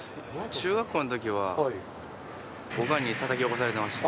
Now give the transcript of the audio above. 中学校のときは、おかんにたたき起こされてました。